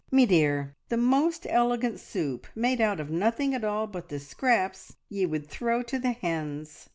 Me dear, the most elegant soup made out of nothing at all but the scraps ye would throw to the hens!